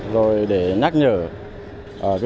rồi để nhắc nhở